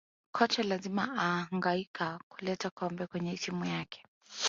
kocha lazima ahangaika kuleta kombe kwenye timu yake